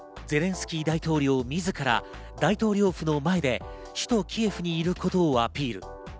ゼレンスキー大統領自ら大統領府の前で首都・キエフにいることをアピール。